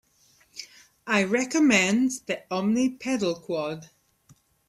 I recommend the Omni pedal Quad.